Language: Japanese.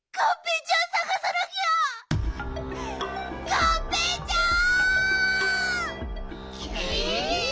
がんぺーちゃん！